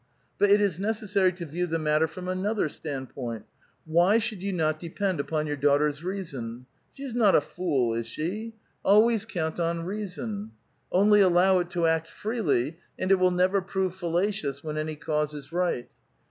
But it is necessary to view the matter from another standpoint. Why should you not de pend upon your daughter's reason? She is not a fool, is she? Always count on reason ; only allow it to act freely, and it will never prove fallacious when any cause is right.